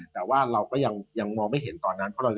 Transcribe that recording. แต่ว่าเราก็ยังมองไม่เห็นตอนนั้น